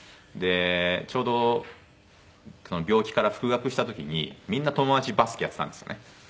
ちょうど病気から復学した時にみんな友達バスケやってたんですよね。